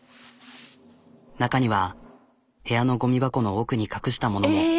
中には部屋のゴミ箱の奥に隠したものも。